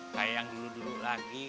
kayak yang dulu dulu lagi